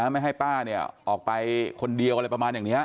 ไม่ให้ป้าเนี่ยออกไปคนเดียวอะไรประมาณอย่างนี้